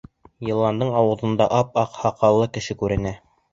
Йыландың ауыҙында ап-аҡ һаҡаллы кеше күренә.